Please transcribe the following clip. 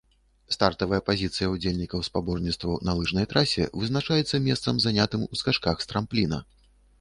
Стартавая пазіцыя ўдзельнікаў спаборніцтваў на лыжнай трасе вызначаецца месцам, занятым у скачках з трампліна.